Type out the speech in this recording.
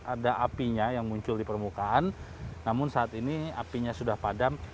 ada apinya yang muncul di permukaan namun saat ini apinya sudah padam